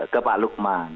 ke pak lukman